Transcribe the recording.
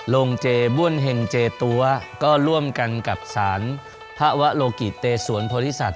โรงเจบ้วนเห็งเจตัวก็ร่วมกันกับสารพระวะโลกิเตสวนพฤศาส